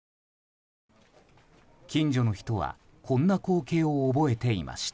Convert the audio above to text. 近所の人はこんな光景を覚えていました。